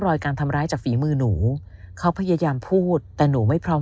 รอยการทำร้ายจากฝีมือหนูเขาพยายามพูดแต่หนูไม่พร้อม